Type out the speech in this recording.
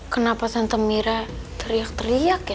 kenapa tante mira teriak teriak ya